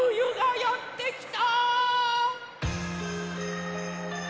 「やってきた！」